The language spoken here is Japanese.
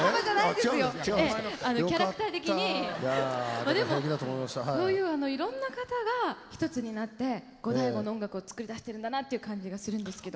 まあでもこういういろんな方が一つになってゴダイゴの音楽を作り出してるんだなっていう感じがするんですけど。